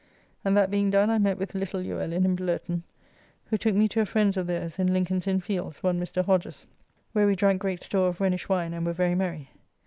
And that being done I met with little Luellin and Blirton, who took me to a friend's of theirs in Lincoln's Inn fields, one Mr. Hodges, where we drank great store of Rhenish wine and were very merry.